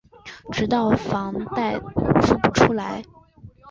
直到房贷付不出来